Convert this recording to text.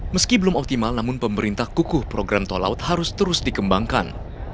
meski belum optimal namun pemerintah kukuh program tol laut harus terus dikembangkan